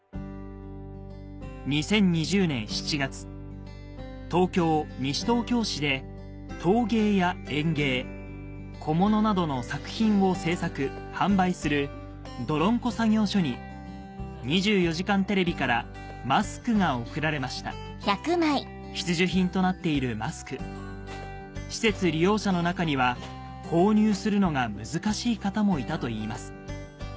２０２０年７月東京・西東京市で陶芸や園芸小物などの作品を制作販売するどろんこ作業所に『２４時間テレビ』からマスクが贈られました必需品となっているマスク施設利用者の中には購入するのが難しい方もいたといいます